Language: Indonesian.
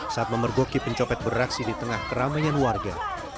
saat memergoki pencopet beraksi di tengah keramaian warga